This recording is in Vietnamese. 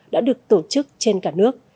đã được tổ chức trên cả nước